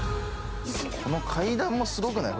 この階段もすごくない？